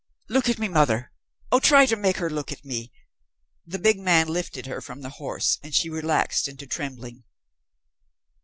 "Look at me, mother. Oh, try to make her look at me!" The big man lifted her from the horse, and she relaxed into trembling.